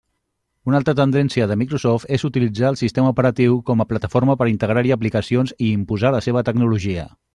Una altra tendència de Microsoft és utilitzar el sistema operatiu com a plataforma per integrar-hi aplicacions i imposar la seva tecnologia.